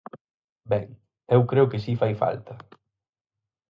Ben, eu creo que si fai falta.